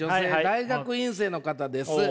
大学院生の方です。